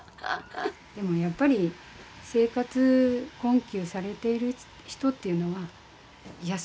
でもやっぱり生活困窮されている人っていうのは失礼します。